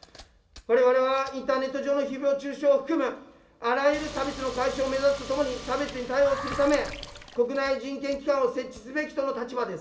われわれはインターネット上のひぼう中傷を含むあらゆる差別の解消を目指すとともに、差別に対応するため、国内人権機関を設置すべきとの立場です。